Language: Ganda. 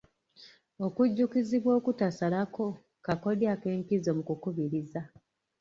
Okujjukizibwa okutasalako kakodya ak'enkizo mu kukubiriza.